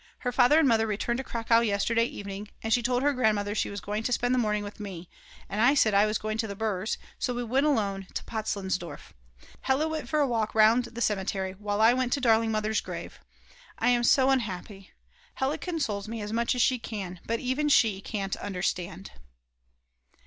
Her father and mother returned to Cracow yesterday evening, and she told her grandmother she was going to spend the morning with me, and I said I was going to the Brs., so we went alone to Potzleinsdorf. Hella went for a walk round the cemetery while I went to darling Mother's grave. I am so unhappy; Hella consoles me as much as she can, but even she can't understand.